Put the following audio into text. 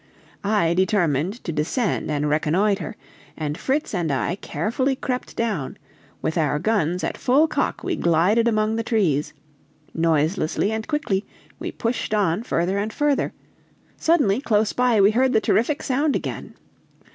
I determined to descend and reconnoiter, and Fritz and I carefully crept down; with our guns at full cock we glided among the trees; noiselessly and quickly we pushed on further and further; suddenly, close by, we heard the terrific sound again.